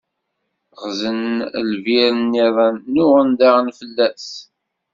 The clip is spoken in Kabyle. Ɣzen lbir-nniḍen, nnuɣen daɣen fell-as.